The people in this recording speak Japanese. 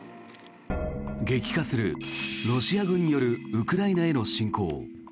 激化するロシア軍によるウクライナへの侵攻。